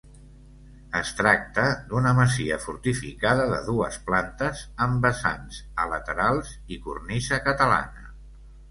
Es tracta d’una masia fortificada de dues plantes amb vessants a laterals i cornisa catalana.